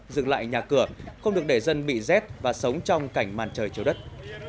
dừng lại nhà cửa không được để dân bị rét và sống trong cảnh màn trời chiếu đất